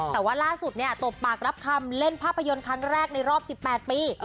แต่ว่าล่าสุดเนี่ยตบปากรับคำเล่นภาพยนตร์ครั้งแรกในรอบ๑๘ปี